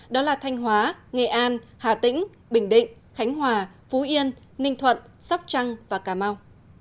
đó là thanh hóa nghệ an hà tĩnh bình định khánh hòa phú yên ninh thuận sóc trăng và cà mau